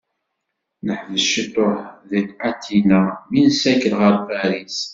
Neḥbes cituḥ deg Atina mi nessakel ɣer Paris.